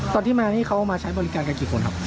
ตอนที่มานี่เขามาใช้บริการกันกี่คนครับ